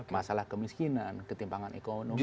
masalah kemiskinan ketimpangan ekonomi dan lain lain